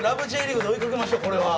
Ｊリーグ』で追いかけましょうこれは。